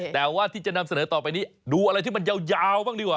แต่ว่าที่จะนำเสนอต่อไปนี้ดูอะไรที่มันยาวบ้างดีกว่า